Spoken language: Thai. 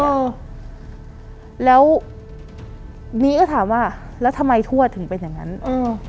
เออแล้วนี้ก็ถามว่าแล้วทำไมทวดถึงเป็นอย่างงั้นอืม